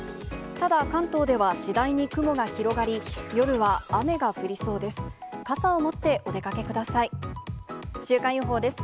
ただ、関東では次第に雲が広がり、夜は雨が降りそうです。